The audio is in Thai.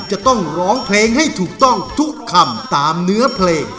จะต้องร้องเพลงให้ถูกต้องทุกคำตามเนื้อเพลง